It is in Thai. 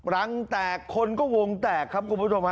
รังแตกคนก็หงแตกครับ